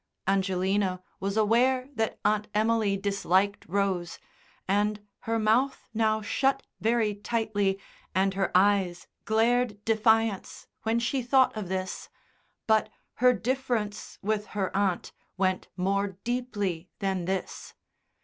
Angelina was aware that Aunt Emily disliked Rose, and her mouth now shut very tightly and her eyes glared defiance when she thought of this, but her difference with her aunt went more deeply than this.